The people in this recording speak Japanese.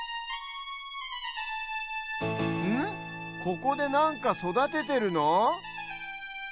ここでなんかそだててるの？